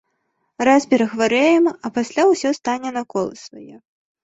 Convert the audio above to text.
Раз перахварэем, а пасля ўсё стане на колы свае.